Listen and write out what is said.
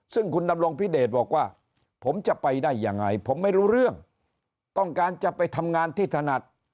ซึ่งคุณดำรงพิเดชบอกว่าผมจะไปได้ยังไงผมไม่รู้เรื่องต้องการจะไปทำงานที่ถนัด